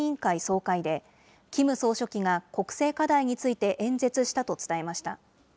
朝鮮労働党の中央委員会総会で、キム総書記が国政課題について演説したと伝えました。